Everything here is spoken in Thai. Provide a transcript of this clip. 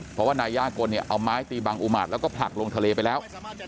เพราะว่านายย่ากลเนี่ยเอาไม้ตีบังอุมาตรแล้วก็ผลักลงทะเลไปแล้ว